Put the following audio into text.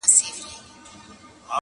ته جرس په خوب وینه او سر دي ښوروه ورته!